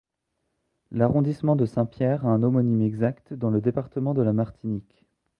L'arrondissement de Saint-Pierre a un homonyme exact, dans le département de la Martinique.